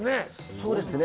そうですね